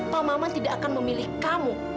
pak maman tidak akan memilih kamu